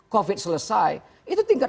covid selesai itu tingkat